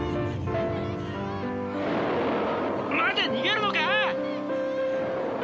待て逃げるのか？